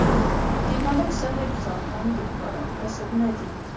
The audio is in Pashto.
د ملک صاحب زامن د کار او کسب نه دي